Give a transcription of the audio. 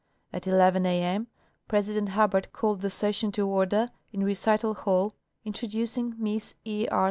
At 11 a m President Hubbard called the session to order in Recital hall, introducing Miss E. R.